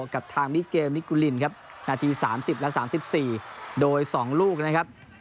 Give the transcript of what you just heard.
กับทางมิเกมมิกุลินครับนาที๓๐และ๓๔โดย๒ลูกนะครับ